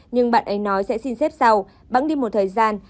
nhưng bạn ấy nói sẽ xin xếp sau bão đi một thời gian